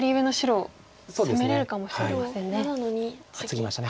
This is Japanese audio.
ツギました。